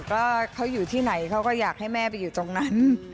ว่าเขาอยู่ที่ไหนเขาก็อยากให้แม่ไปอยู่ตรงนั้น